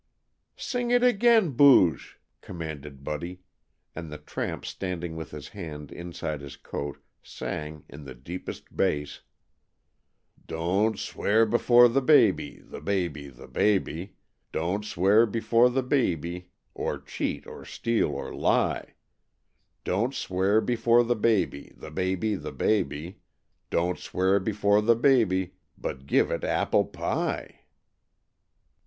"Sing it again, Booge!" commanded Buddy, and the tramp standing with his hand inside his coat, sang, in his deepest bass: Don't swear before the baby, the baby, the baby, Don't swear before the baby, or cheat or steal or lie, Don't swear before the baby, the baby, the baby, Don't swear before the baby, but give it apple pie.